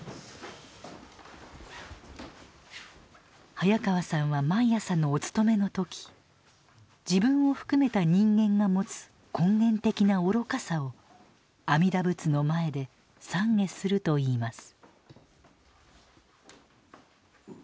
早川さんは毎朝のお勤めの時自分を含めた人間が持つ根源的な愚かさを阿弥陀仏の前で懺悔するといいます。